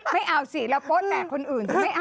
ไม่เอาสิเราโป๊ดแหละคนอื่น